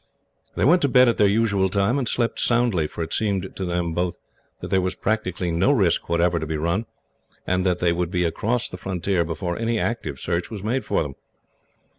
They went to bed at their usual time, and slept soundly, for it seemed to them both that there was practically no risk whatever to be run, and that they would be across the frontier before any active search was made for them.